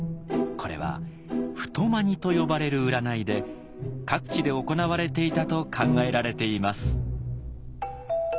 これは「太占」と呼ばれる占いで各地で行われていたと考えられています。